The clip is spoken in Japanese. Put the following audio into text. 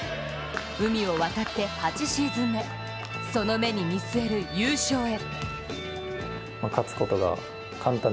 海を渡って８シーズン目その目に見据える優勝へ。